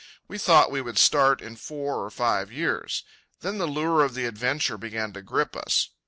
We thought we would start in four or five years. Then the lure of the adventure began to grip us.